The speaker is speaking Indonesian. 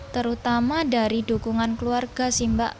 terutama dari dukungan keluarga sih mbak